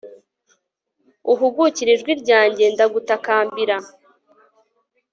uhugukire ijwi ryanjye ndagutakambira